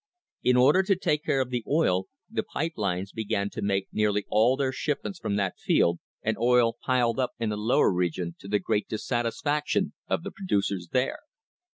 * In order to take care of the oil the pipe lines began to make nearly all their shipments from that field, and oil piled up in the Lower Region to the great dissatisfaction of the producers there.